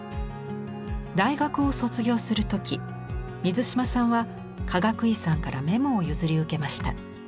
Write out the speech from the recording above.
大学を卒業する時水島さんはかがくいさんからメモを譲り受けました。